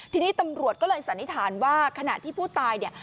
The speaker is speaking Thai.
ทีนี้ตำรวจก็เลยสันนิษฐานว่าขณะที่ผู้ตายเนี่ย